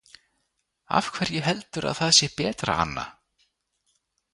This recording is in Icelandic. Afhverju heldur að það sé betra Anna?